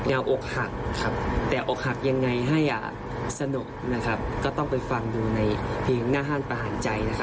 เงาอกหักครับแต่ออกหักยังไงให้สนุกต้องไปฟังดูในพรีมงานประหารใจ